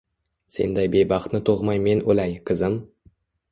Senday bebaxtni tug‘may men o‘lay, qizim